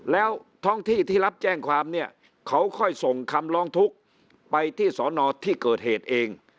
แล้วท้องที่ที่รับแจ้งความเนี่ยเขาค่อยส่งคำร้องทุกข์ไปที่สอนอที่เกิดเหตุเอง